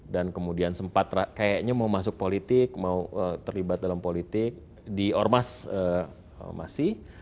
dan kemudian sempat kayaknya mau masuk politik mau terlibat dalam politik di ormas masih